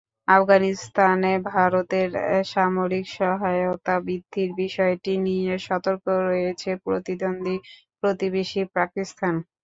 আফগানিস্তানে ভারতের সামরিক সহায়তা বৃদ্ধির বিষয়টি নিয়ে সতর্ক রয়েছে প্রতিদ্বন্দ্বী প্রতিবেশী পাকিস্তান।